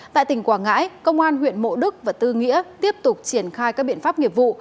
tại tỉnh quảng ngãi công an huyện mộ đức và tư nghĩa tiếp tục triển khai các biện pháp nghiệp vụ